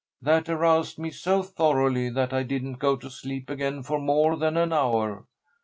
That aroused me so thoroughly that I didn't go to sleep again for more than an hour.